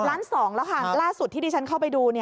ล้านสองแล้วค่ะล่าสุดที่ที่ฉันเข้าไปดู